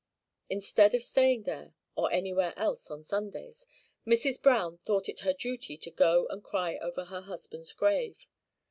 Instead of staying there, or anywhere else, on Sundays, Mrs. Browne thought it her duty to go and cry over her husband's grave.